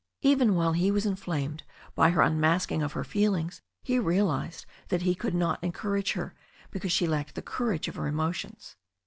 Even while he was inflamed by her unmasking of her feelings, he realized that he could not encourage her, because she lacked the courage of her emotions.